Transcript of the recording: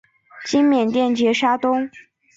今缅甸杰沙东。